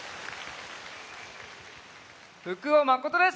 福尾誠です！